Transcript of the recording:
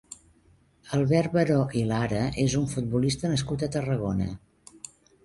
Albert Varo i Lara és un futbolista nascut a Tarragona.